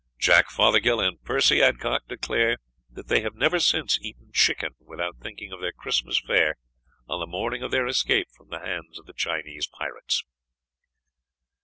Jack Fothergill and Percy Adcock declare that they have never since eaten chicken without thinking of their Christmas fare on the morning of their escape from the hands of the Chinese pirates.